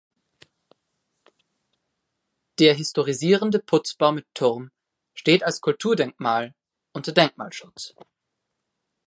Der historisierende Putzbau mit Turm steht als Kulturdenkmal unter Denkmalschutz.